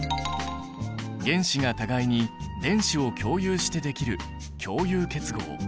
原子が互いに電子を共有してできる共有結合。